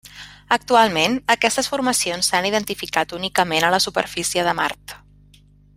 Actualment, aquestes formacions s'han identificat únicament a la superfície de Mart.